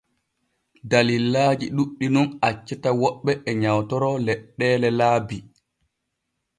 Dallillaaji ɗuuɗɗi nun accata woɓɓe e nyawtoro leɗɗeele laabi.